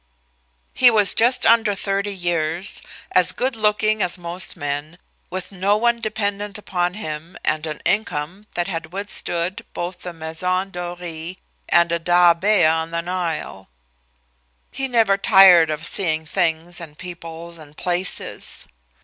He was just under thirty years, as good looking as most men, with no one dependent upon him and an income that had withstood both the Maison Doree and a dahabeah on the Nile. He never tired of seeing things and peoples and places.